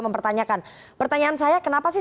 mempertanyakan pertanyaan saya kenapa sih